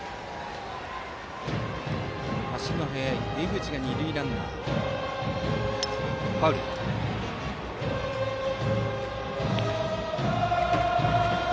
足の速い江口が二塁ランナーです。